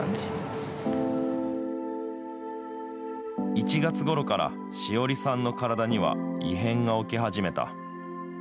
１月ごろから、しおりさんの体には異変が起き始めた。